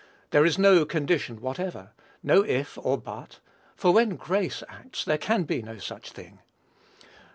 There is no condition whatever. No if or but; for when grace acts there can be no such thing.